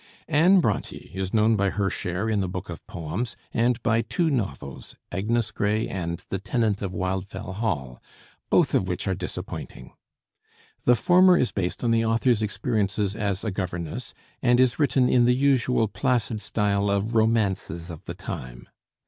Anne Bronté is known by her share in the book of "Poems" and by two novels, "Agnes Gray" and "The Tenant of Wildfell Hall," both of which are disappointing. The former is based on the author's experiences as a governess, and is written in the usual placid style of romances of the time.